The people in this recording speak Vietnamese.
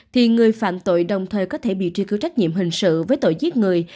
thì người phạm tội đồng thời có thể bị truy cứu trách nhiệm hình sự với tội giết người